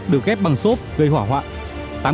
được ghép bằng xốp gây hỏa hoạn